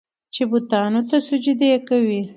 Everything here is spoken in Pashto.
چې بوتانو ته سجدې کوي.